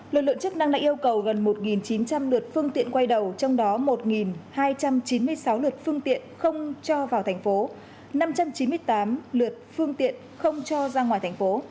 lực lượng chức năng đã yêu cầu gần một chín trăm linh lượt phương tiện quay đầu trong đó một hai trăm chín mươi sáu lượt phương tiện không cho vào thành phố năm trăm chín mươi tám lượt phương tiện không cho ra ngoài thành phố